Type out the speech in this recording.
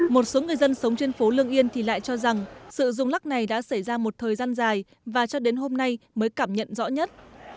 một số người dân sống trên phố lương yên thì lại cho rằng sự rung lắc này đã xảy ra một thời gian dài và cho đến hôm nay mới cảm nhận rõ nhất